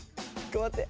頑張って。